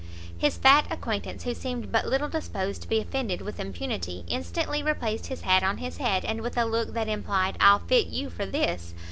His fat acquaintance, who seemed but little disposed to be offended with impunity, instantly replaced his hat on his head, and with a look that implied I'll fit you for this!